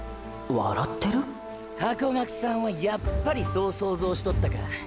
笑ってる⁉ハコガクさんはやっぱりそう想像しとったか。